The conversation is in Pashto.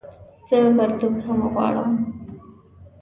زه پرتوګ هم غواړم